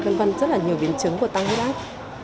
thì sẽ dẫn đến rất là nhiều biến chứng của tăng huyết áp